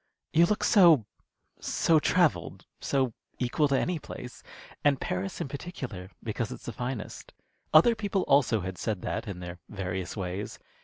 "You look so so travelled, so equal to any place, and Paris in particular because it's the finest." Other people also had said that, in their various ways.